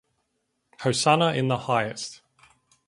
Hosanna in the highest.